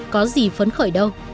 có gì phấn khởi đâu